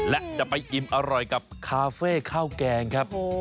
และจะไปอิ่มอร่อยกับคาเฟ่ข้าวแกงครับ